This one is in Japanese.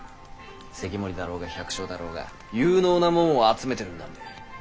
関守だろうが百姓だろうが有能な者を集めてるんだんべ。